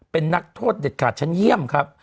เป็นนักโทษเด็ดขาดชั้นเยี่ยมครับ